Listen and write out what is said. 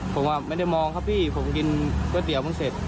ผมว่าไม่ได้มองครับพี่ผมกินก๋วยเตี๋ยวมึงเสร็จ